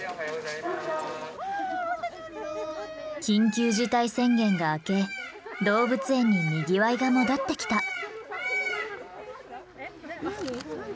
緊急事態宣言が明け動物園ににぎわいが戻ってきた。